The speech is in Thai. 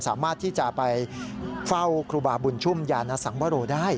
สามารถที่จะไปเฝ้าครูบาบุญชุ่มยานสังวโรได้